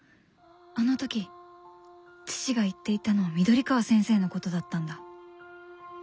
あの時父が言っていたのは緑川先生のことだったんだ。